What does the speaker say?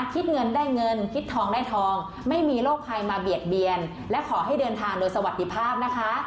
คิดเงินได้เงินคิดทองได้ทองไม่มีโรคภัยมาเบียดเบียนและขอให้เดินทางโดยสวัสดีภาพนะคะ